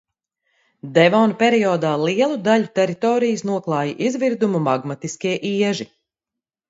Devona periodā lielu daļu teritorijas noklāja izvirdumu magmatiskie ieži.